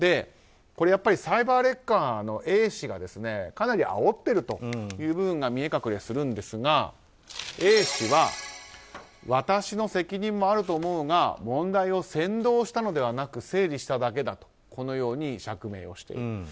これはやっぱりサイバーレッカーのＡ氏がかなりあおっているという部分が見え隠れするんですがＡ氏は私の責任もあると思うが問題を扇動したのではなく整理しただけだとこのように釈明をしている。